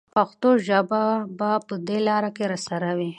پښتو ژبه به په دې لاره کې راسره وي.